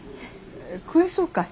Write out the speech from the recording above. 食えそうかい？